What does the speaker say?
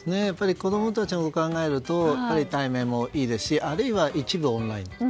子供たちのことを考えると対面もいいですしあるいは一部オンライン。